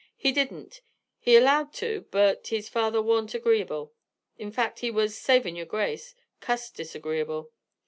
"He didn't. He allowed to, but his father warnt agreeable. In fact he was savin' your grace cussed disagreeable.